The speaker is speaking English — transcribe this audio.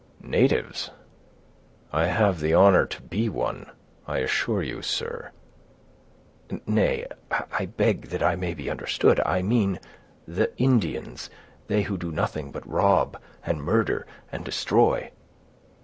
"Natives! I have the honor to be one, I assure you, sir." "Nay, I beg that I may be understood—I mean the Indians; they who do nothing but rob, and murder, and destroy."